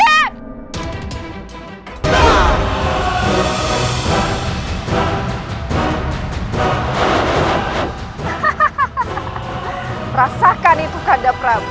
hahaha rasakan itu pada prabu